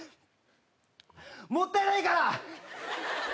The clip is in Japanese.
もったいないから。